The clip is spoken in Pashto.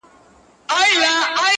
• موږ به ولي د قصاب چړې ته تللای -